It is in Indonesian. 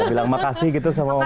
mau bilang makasih gitu sama om ade